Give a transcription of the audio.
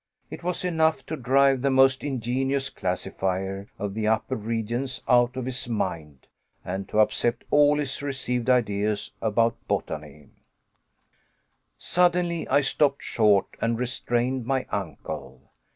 It was enough to drive the most ingenious classifier of the upper regions out of his mind, and to upset all his received ideas about botany. Suddenly I stopped short and restrained my uncle.